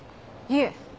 いえ。